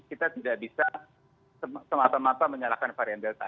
kita tidak bisa semata mata menyalahkan varian delta